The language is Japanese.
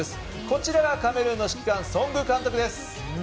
こちらがカメルーンの指揮官ソング監督です。